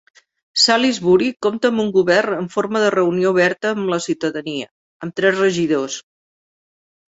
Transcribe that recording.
Salisbury compta amb un govern en forma de reunió oberta amb la ciutadania, amb tres regidors.